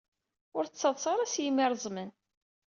Ur ttadṣa ara s yimi ireẓmen.